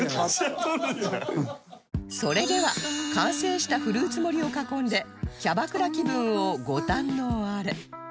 それでは完成したフルーツ盛りを囲んでキャバクラ気分をご堪能あれ